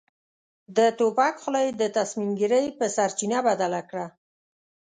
د توپک خوله يې د تصميم ګيرۍ په سرچينه بدله کړه.